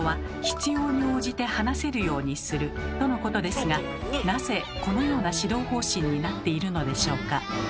つまりとのことですがなぜこのような指導方針になっているのでしょうか？